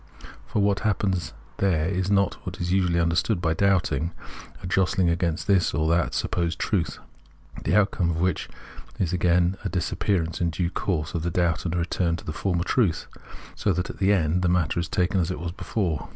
For what happens there is not what is usually imderstood by doubting, a jostling against this or that supposed truth, the outcome of which is again a disappearance in due course of the doubt and a return to the former truth, so that at the end the matter is taken as it was before.